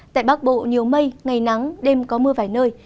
tại bắc bộ nhiều mây ngày nắng đêm có mưa vài nơi